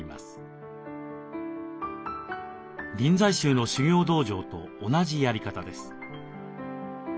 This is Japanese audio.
臨済宗の修行道場と同じやり方です。